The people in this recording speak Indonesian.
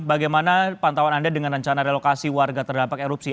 bagaimana pantauan anda dengan rencana relokasi warga terdampak erupsi